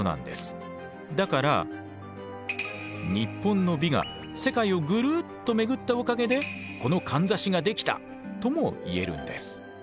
だから日本の美が世界をぐるっと巡ったおかげでこのかんざしができたとも言えるんです。